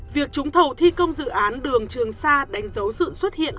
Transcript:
việc trúng thầu thi công dự án đường trường sa đánh dấu sự xuất hiện